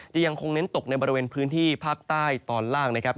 ยังคงเน้นตกในบริเวณพื้นที่ภาคใต้ตอนล่างนะครับ